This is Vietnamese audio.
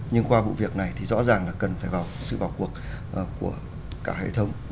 nhưng qua vụ việc này thì rõ ràng là cần phải vào sự vào cuộc của cả hệ thống